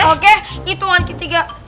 oke hitungan ketiga